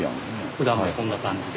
ふだんはこんな感じで。